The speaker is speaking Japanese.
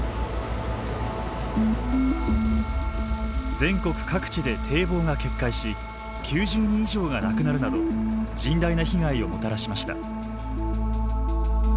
全国各地で堤防が決壊し９０人以上が亡くなるなど甚大な被害をもたらしました。